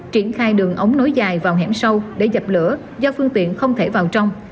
triển khai đường ống nối dài vào hẻm sâu để dập lửa do phương tiện không thể vào trong